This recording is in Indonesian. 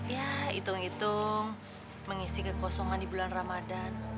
ya hitung hitung mengisi kekosongan di bulan ramadan